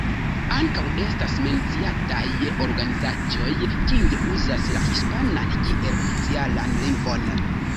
Ankaŭ estas menciataj organizaĵoj kiuj uzas la hispanan kiel oficialan lingvon.